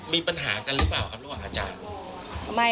มีปัญหากันหรือเปล่ากันหรือเปล่าอาจารย์